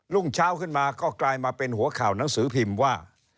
รุ่งเช้าขึ้นมาก็กลายมาเป็นหัวข่าวหนังสือพิมพ์ว่า